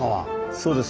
そうです。